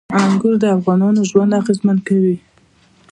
انګور د افغانانو ژوند اغېزمن کوي.